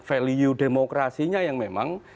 value demokrasinya yang memang